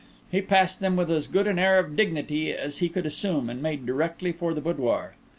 He passed them with as good an air of dignity as he could assume, and made directly for the boudoir.